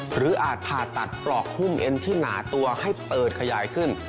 อาจผ่าตัดปลอกหุ้มเอ็นที่หนาตัวให้เปิดขยายขึ้น